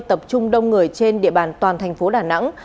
tập trung đông người trên địa bàn toàn thành phố đà nẵng